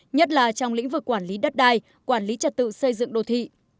nhất là trong lĩnh vực quản lý đất đai quản lý trật tự xây dựng đô thị